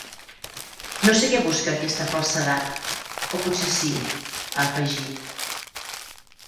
No sé què busca aquesta falsedat, o potser sí…, ha afegit.